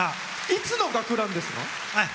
いつの学ランですか？